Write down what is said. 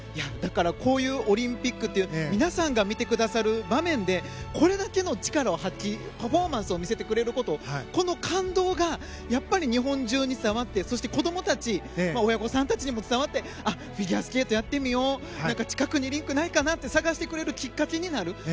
だからこういうオリンピックって皆さんが見てくださる場面でこれだけの力を発揮、パフォーマンスを見せてくれることこの感動がやっぱり日本中に伝わってそして子どもたち親御さんたちにも伝わってフィギュアスケートやってみよう近くにリンクないかなって探してくれるきっかけになる。